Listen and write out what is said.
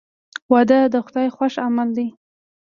• واده د خدای خوښ عمل دی.